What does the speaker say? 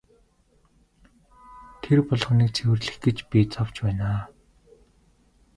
Тэр болгоныг цэвэрлэх гэж би зовж байна.